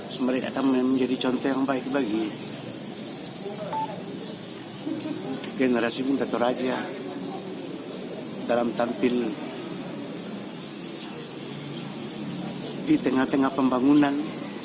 semoga akan menjadi contoh yang baik bagi generasi muda toraja dalam tampil di tengah tengah pembangunan